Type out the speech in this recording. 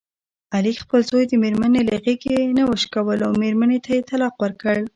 علي خپل زوی د مېرمني له غېږې نه وشکولو، مېرمنې ته یې طلاق ورکړ.